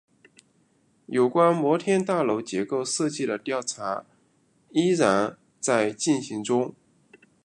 有关摩天大楼结构设计的调查依然在进行中。